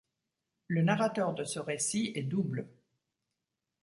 Le narrateur de ce récit est double.